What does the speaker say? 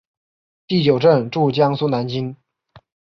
第九镇驻江苏南京。